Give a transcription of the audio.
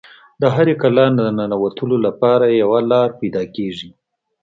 د هرې کلا د ننوتلو لپاره یوه لاره پیدا کیږي